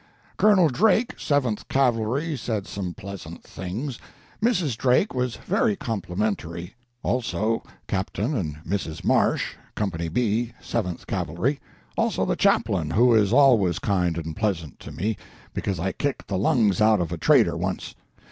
Colonel Drake, Seventh Cavalry, said some pleasant things; Mrs. Drake was very complimentary; also Captain and Mrs. Marsh, Company B, Seventh Cavalry; also the Chaplain, who is always kind and pleasant to me, because I kicked the lungs out of a trader once.